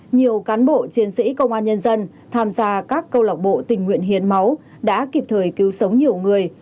nhiều cán bộ chiến sĩ công an nhân dân tham gia các câu lọc bộ tình nguyện hiến máu đã kịp thời cứu sống nhiều người